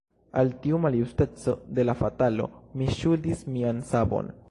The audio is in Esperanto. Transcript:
Al tiu maljusteco de la fatalo mi ŝuldis mian savon.